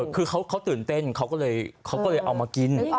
คือเขาตื่นเต้นเขาก็เลยเอามากิน